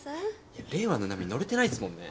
・いや令和の波乗れてないっすもんね。